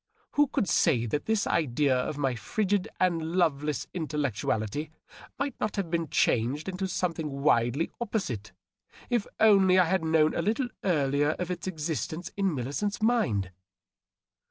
Who could say that this idea of my frigid and loveleas intellectu ality might not have been changed into something widely opposite, if only I had known a little earlier of its existence in Millicent's mind